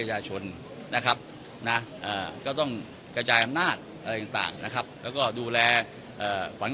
อยากได้เป็นคนยังไงค่ะปพพภปตลอลก็ก็